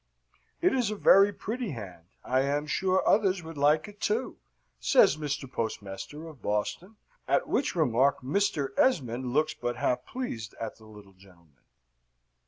"It is a very pretty hand; I am sure others would like it too," says Mr. Postmaster of Boston, at which remark Mr. Esmond looks but half pleased at the little gentleman.